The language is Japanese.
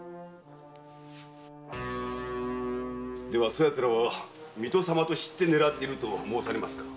そ奴らは水戸様と知って狙っていると申されますか？